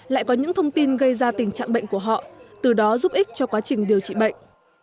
lại có những thông tin gây ra tình trạng bệnh của họ từ đó giúp ích cho quá trình điều trị bệnh